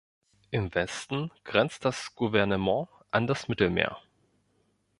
Im Westen grenzt das Gouvernement an das Mittelmeer.